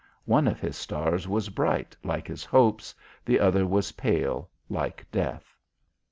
One of his stars was bright, like his hopes, the other was pale, like death.